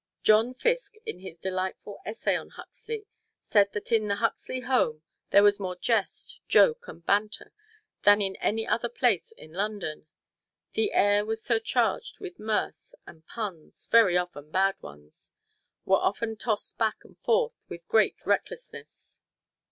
John Fiske in his delightful essay on Huxley said that in the Huxley home there was more jest, joke and banter than in any other place in London. The air was surcharged with mirth, and puns, often very bad ones, were tossed back and forth with great recklessness.